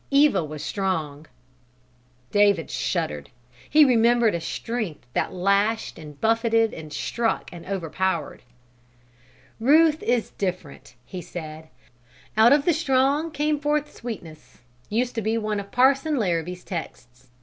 Eva was strong!" David shuddered. He remembered a strength that lashed and buffeted and struck and overpowered. "Ruth is different," he said. "'Out of the strong came forth sweetness' used to be one of Parson Larrabee's texts.